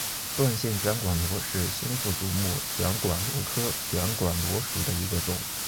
断线卷管螺是新腹足目卷管螺科卷管螺属的一个种。